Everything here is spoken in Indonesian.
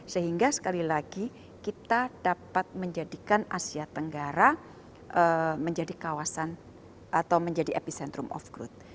sehingga sekali lagi kita dapat menjadikan asia tenggara menjadi kawasan atau menjadi epicentrum of growth